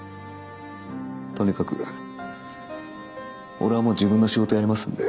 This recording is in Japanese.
とにかく俺はもう自分の仕事をやりますんで。